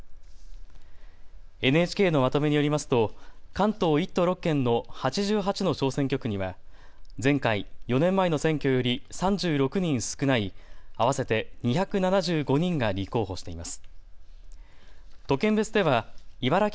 ＮＨＫのまとめによりますと関東１都６県の８８の小選挙区には前回４年前の選挙より３６人少ない合わせて２７５人が立候補しています。